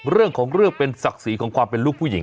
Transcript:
เรื่องของเรื่องเป็นศักดิ์ศรีของความเป็นลูกผู้หญิง